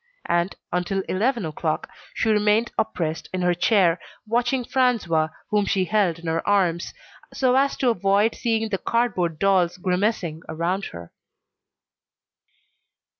And, until eleven o'clock, she remained oppressed in her chair, watching François whom she held in her arms, so as to avoid seeing the cardboard dolls grimacing around her.